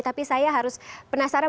tapi saya harus penasaran